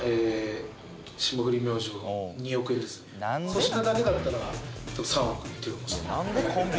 粗品だけだったら３億いってるかもしれない。